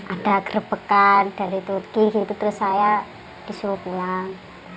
ada gerbekan dari turki gitu terus saya disuruh pulang